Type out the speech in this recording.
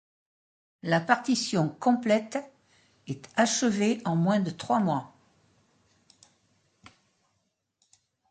La partition complète est achevée en moins de trois mois.